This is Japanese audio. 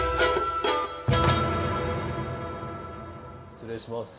失礼します。